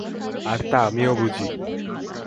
আর তা আমিও বুঝি!